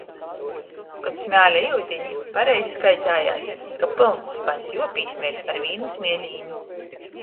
Kod smēle iudini, pareizi skaitejās, ka pylns spaņs juopīsmeļ ar vīnu smielīni.